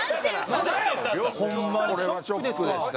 これはショックでした。